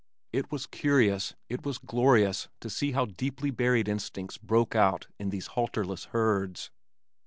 It was curious, it was glorious to see how deeply buried instincts broke out in these halterless herds.